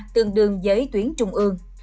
tương đương với tuyến trung ương